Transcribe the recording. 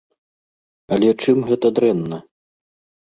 Але чым гэта дрэнна?